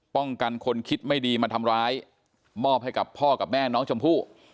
คนคิดไม่ดีมาทำร้ายมอบให้กับพ่อกับแม่น้องชมพู่